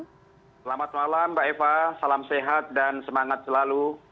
selamat malam mbak eva salam sehat dan semangat selalu